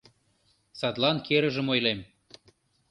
— Садлан керыжым ойлем...